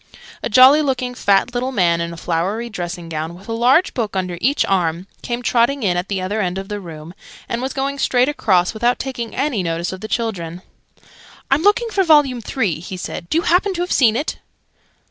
A jolly looking, fat little man, in a flowery dressing gown, with a large book under each arm, came trotting in at the other end of the room, and was going straight across without taking any notice of the children. "I'm looking for Vol. Three," he said. "Do you happen to have seen it?"